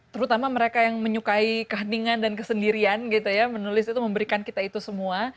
terutama mereka yang menyukai keheningan dan kesendirian gitu ya menulis itu memberikan kita itu semua